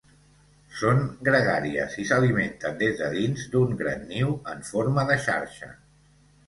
Són gregàries i s'alimenten des de dins d'un gran niu en forma de xarxa.